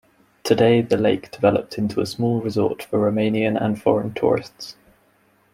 Today the lake developed into a small resort for Romanian and foreign tourists.